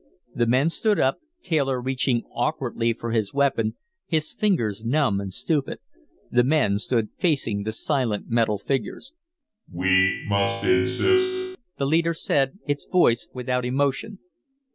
The men stood up, Taylor reaching awkwardly for his weapon, his fingers numb and stupid. The men stood facing the silent metal figures. "We must insist," the leader said, its voice without emotion.